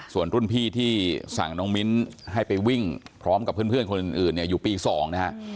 ส่วนรุ่นพี่ที่สั่งน้องมิ้นให้ไปวิ่งพร้อมกับเพื่อนคนอื่นเนี่ยอยู่ปี๒นะฮะ